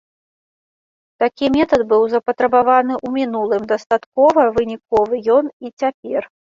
Такі метад быў запатрабаваны ў мінулым, дастаткова выніковы ён і цяпер.